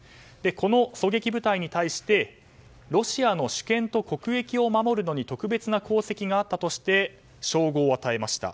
この狙撃部隊に対してロシアの主権と国益を守るのに特別な功績があったとして称号を与えました。